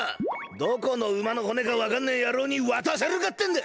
どこの馬のほねかわかんねえやろうにわたせるかってんだ！